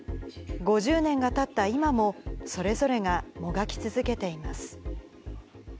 ５０年がたった今も、それぞれがもがき続けています。